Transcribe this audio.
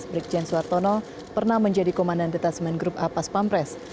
brigjen suartono pernah menjadi komandan detasemen grup a pas pampres